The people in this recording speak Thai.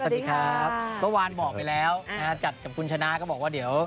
สวัสดีครับเมื่อวานบอกไปแล้วนะฮะจัดกับคุณชนะก็บอกว่าเดี๋ยว